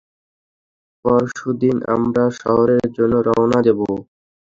পরশুদিন আমরা শহরের জন্য রওনা দিব।